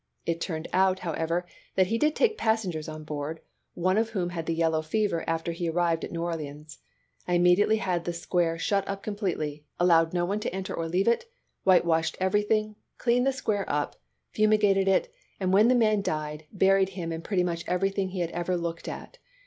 It turned out, however, that he did take passengers on board, one of whom had the yellow fever after he arrived at New Orleans. I immediately had the square shut up completely, allowed no one to enter or leave it, whitewashed everything, cleaned the square up, fumigated it, and when the man died buried him and pretty much everything he had ever looked at.